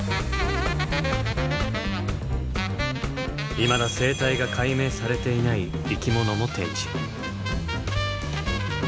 いまだ生態が解明されていない生き物も展示。